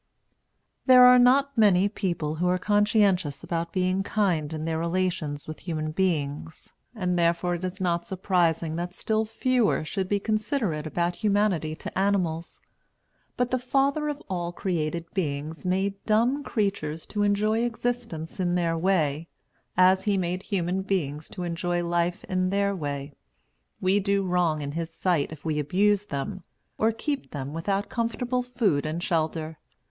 There are not many people who are conscientious about being kind in their relations with human beings; and therefore it is not surprising that still fewer should be considerate about humanity to animals. But the Father of all created beings made dumb creatures to enjoy existence in their way, as he made human beings to enjoy life in their way. We do wrong in his sight if we abuse them, or keep them without comfortable food and shelter.